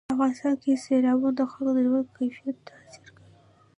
افغانستان کې سیلابونه د خلکو د ژوند کیفیت تاثیر کوي.